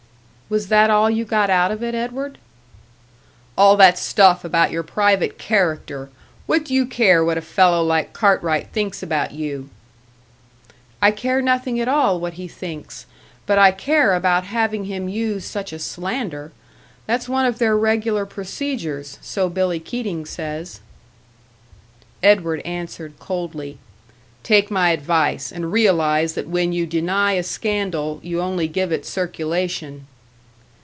"Was that all you got out of it, Edward?" "All that stuff about your private character! What do you care what a fellow like Cartwright thinks about you?" "I care nothing at all what he thinks, but I care about having him use such a slander. That's one of their regular procedures, so Billy Keating says." Edward answered, coldly, "Take my advice, and realise that when you deny a scandal, you only give it circulation."